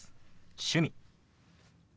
「趣味」。